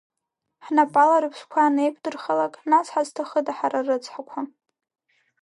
Ҳнапала рыԥсқәа анеиқәдырхалак, нас ҳазҭахыда ҳара рыцҳақәа!